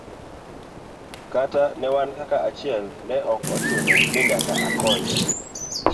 Kata ne wan kaka achiel ne ok ochuno ni nyaka akonye.